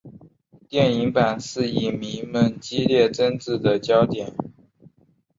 电影版是影迷们激烈争执的焦点。